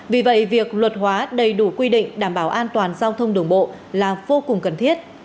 vì vậy việc luật hóa đầy đủ quy định đảm bảo an toàn giao thông đường bộ là vô cùng cần thiết